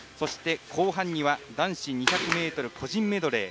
後半には男子２００ｍ個人メドレー